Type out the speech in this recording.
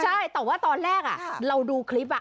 ใช่แต่ว่าตอนแรกเราดูคลิป